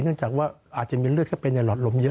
เนื่องจากว่าอาจจะมีเลือดเข้าไปในหลอดลมเยอะ